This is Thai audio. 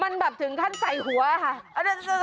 มันแบบถึงขั้นใส่หัวค่ะ